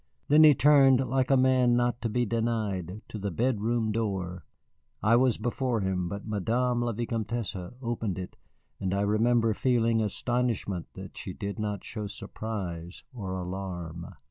Then he turned like a man not to be denied, to the bedroom door. I was before him, but Madame la Vicomtesse opened it. And I remember feeling astonishment that she did not show surprise or alarm.